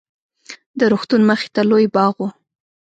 د روغتون مخې ته لوى باغ و.